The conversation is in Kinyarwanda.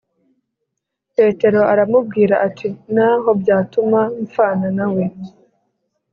Petero aramubwira ati “Naho byatuma mpfana nawe